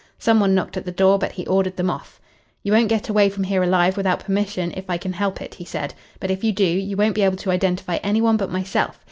Some one knocked at the door, but he ordered them off. "'You won't get away from here alive without permission if I can help it,' he said; 'but if you do, you won't be able to identify any one but myself.